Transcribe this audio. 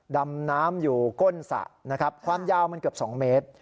ดำน้ำอยู่ก้นสระนะครับความยาวมันเกือบ๒เมตร